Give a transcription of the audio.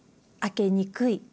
開けにくい